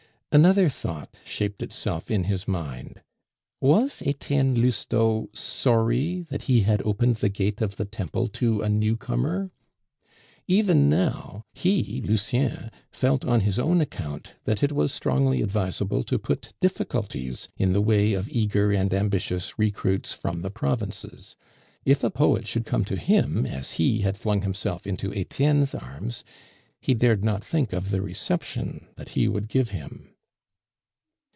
Another thought shaped itself in his mind Was Etienne Lousteau sorry that he had opened the gate of the temple to a newcomer? Even now he (Lucien) felt on his own account that it was strongly advisable to put difficulties in the way of eager and ambitious recruits from the provinces. If a poet should come to him as he had flung himself into Etienne's arms, he dared not think of the reception that he would give him.